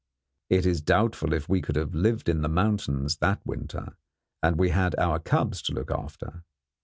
It is doubtful if we could have lived in the mountains that winter, and we had our cubs to look after.